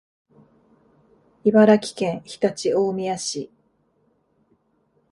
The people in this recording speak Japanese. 茨城県常陸大宮市